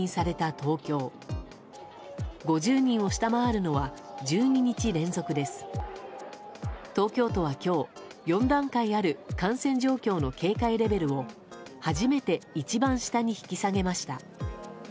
東京都は今日、４段階ある感染状況の警戒レベルを初めて一番下に引き下げました。